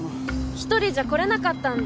１人じゃ来れなかったんだ。